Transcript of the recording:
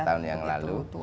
lima tahun yang lalu